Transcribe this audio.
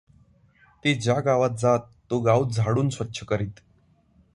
ते ज्या गावात जात तो गाव झाडून स्वच्छ करीत.